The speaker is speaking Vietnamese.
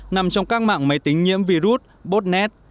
nằm trong các mạng máy tính nhiễm virus botnet